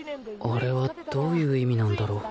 あれはどういう意味なんだろう